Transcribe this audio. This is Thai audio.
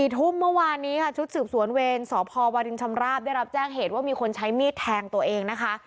ทุ่มเมื่อวานนี้ค่ะชุดสืบสวนเวรสพวรินชำราบได้รับแจ้งเหตุว่ามีคนใช้มีดแทงตัวเองนะคะ